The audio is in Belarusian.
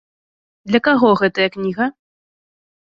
Для каго гэтая кніга?